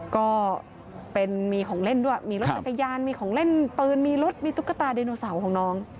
ก็เป็นมีของเล่นด้วยมีรถจักรยานมีของเล่นปืนมีรถมีตุ๊กตาไดโนเสาร์ของน้อง